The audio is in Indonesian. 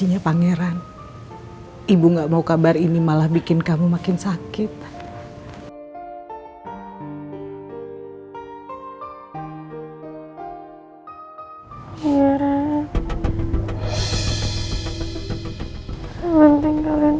yang penting kalian aku sendiri